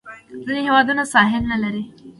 ځینې هیوادونه ساحل نه لري.